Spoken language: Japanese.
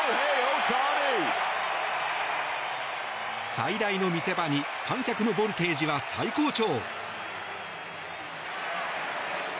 最大の見せ場に観客のボルテージは最高潮。